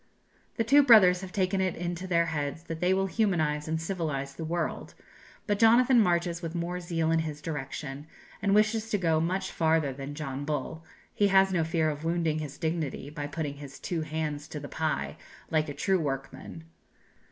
"The two brothers have taken it into their heads that they will humanize and civilize the world; but Jonathan marches with more zeal in this direction, and wishes to go much farther than John Bull; he has no fear of wounding his dignity by putting his two hands to the pie, like a true workman.